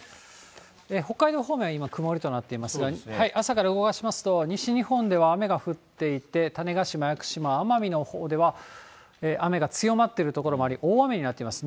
北海道方面は今、曇りとなっていますが、朝から動かしますと、西日本では雨が降っていて、種子島、屋久島、奄美のほうでは、雨が強まっている所もあり、大雨になってます。